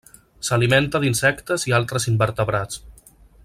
S'alimenta d'insectes i altres invertebrats.